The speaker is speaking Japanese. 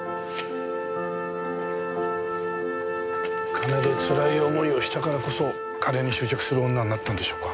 金でつらい思いをしたからこそ金に執着する女になったんでしょうか？